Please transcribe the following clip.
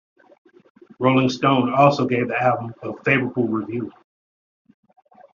"Rolling Stone" also gave the album a favourable review.